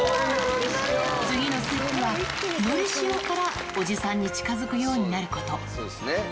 次のステップは、のりしおからおじさんに近づくようになること。